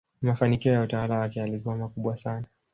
mafanikio ya utawala wake yalikuwa makubwa sana